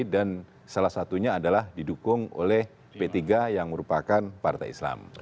dan salah satunya adalah didukung oleh p tiga yang merupakan partai islam